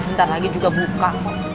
ntar lagi juga buka